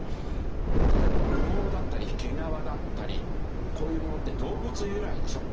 例えば羽毛だったり毛皮だったりこういうものって動物由来でしょ。